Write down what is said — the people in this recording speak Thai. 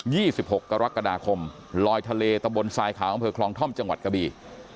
ี่สิบหกกรกฎาคมลอยทะเลตะบนทรายขาวอำเภอคลองท่อมจังหวัดกะบี